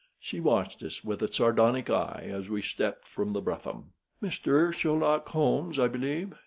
She watched us with a sardonic eye as we stepped from the brougham. "Mr. Sherlock Holmes, I believe?"